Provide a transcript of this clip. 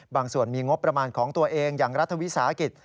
บางส่วนมีงบประมาณของตัวเองอย่างรัฐวิสาหกิจ